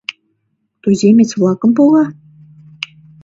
— Туземец-влакым пога?